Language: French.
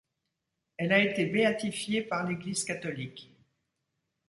Elle a été béatifiée par l'Église catholique.